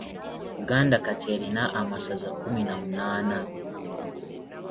Buganda kati erina amasaza kkumi na munaana.